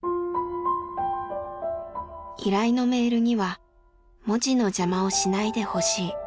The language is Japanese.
依頼のメールには「文字の邪魔をしないでほしい」